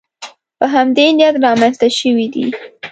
په همدې نیت رامنځته شوې دي